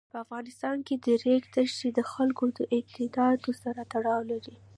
په افغانستان کې د ریګ دښتې د خلکو د اعتقاداتو سره تړاو لري.